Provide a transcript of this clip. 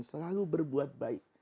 selalu berbuat baik